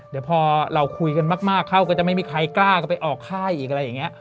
เดี๋ยวพอเราคุยกันมากเข้าก็จะไม่มีใครกล้าก็ไปออกค่ายอีกอะไรอย่างนี้